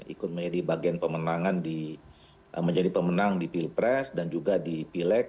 ikut menjadi bagian pemenangan di menjadi pemenang di pilkres dan juga di pilek